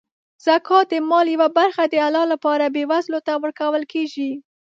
زکات د مال یوه برخه د الله لپاره بېوزلو ته ورکول کیږي.